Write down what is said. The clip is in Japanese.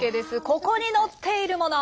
ここに載っているもの。